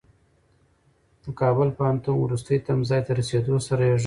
د کابل پوهنتون وروستي تمځای ته د رسېدو سره يې غږ کړ.